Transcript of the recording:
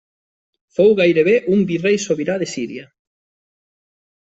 Fou gairebé un virrei sobirà de Síria.